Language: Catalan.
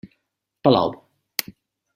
Palau.